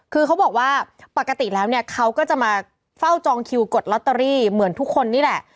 คือเขาบอกว่าปกติแล้วเนี่ยเขาก็จะมาเฝ้าจองคิวกดลอตเตอรี่เหมือนทุกคนนี่แหละ